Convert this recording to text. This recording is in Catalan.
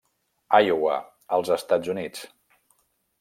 Iowa, als Estats Units.